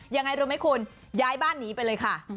ยังไงรู้ไหมคุณย้ายบ้านหนีไปเลยค่ะ